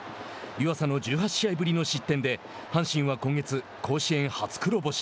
湯浅の１８試合ぶりの失点で阪神は今月、甲子園初黒星。